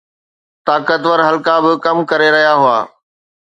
طاقتور حلقا به ڪم ڪري رهيا هئا.